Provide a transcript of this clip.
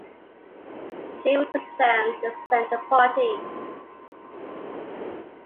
She represents the Centre Party.